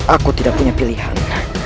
aku tidak punya pilihan